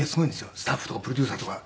スタッフとかプロデューサーとか。